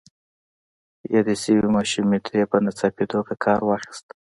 يادې شوې ماشومې ترې په ناڅاپي توګه کار واخيست.